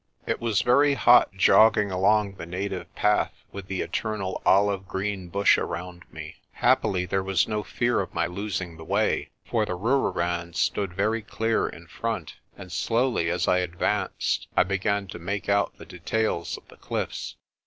It was very hot jogging along the native path with the eternal olive green bush around me. Happily there was no fear of my losing the way, for the Rooirand stood very clear in front, and slowly, as I advanced, I began to make out the details of the cliffs.